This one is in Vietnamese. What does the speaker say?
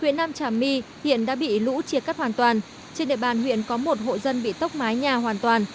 huyện nam trà my hiện đã bị lũ chia cắt hoàn toàn trên địa bàn huyện có một hộ dân bị tốc mái nhà hoàn toàn